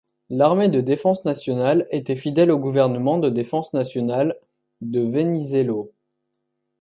L’armée de Défense Nationale était fidèle au gouvernement de défense nationale de Vénizelos.